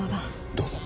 どうぞ。